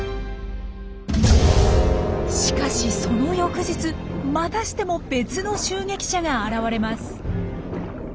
しかしその翌日またしても別の襲撃者が現れます。